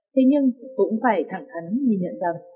thế nhưng cũng phải thẳng thắn nhìn nhận rằng